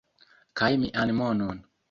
kaj mian monon